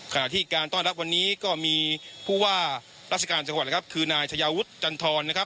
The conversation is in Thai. ขณะที่การต้อนรับวันนี้ก็มีผู้ว่าราชการจังหวัดนะครับคือนายชายาวุฒิจันทรนะครับ